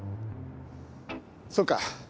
そうか。